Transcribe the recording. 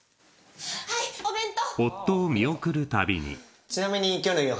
はいお弁当！